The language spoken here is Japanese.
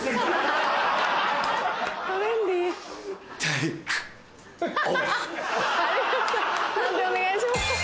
判定お願いします。